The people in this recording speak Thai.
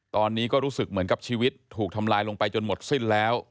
ตอนนี้ก็รู้สึกเหมือนกับชีวิตถูกทำลายลงไปจนหมดสิ้นแล้ว